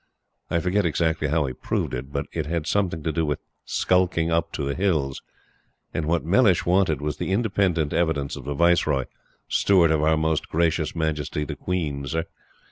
I forget exactly how he proved it, but it had something to do with "skulking up to the Hills;" and what Mellish wanted was the independent evidence of the Viceroy "Steward of our Most Gracious Majesty the Queen, Sir."